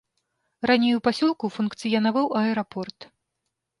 Раней у пасёлку функцыянаваў аэрапорт.